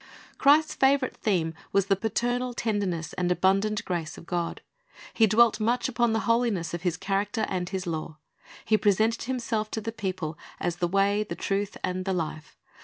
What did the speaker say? Christ's favorite theme was the paternal tenderness and abundant grace of God; He dwelt much upon the holiness of His character and His law; He presented Himself to the people as the Way, the Truth, and the Life.